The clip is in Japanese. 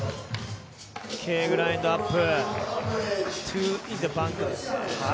Ｋグラインドアップ。